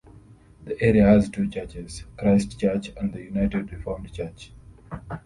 The area has two churches: Christ Church and the United Reformed Church.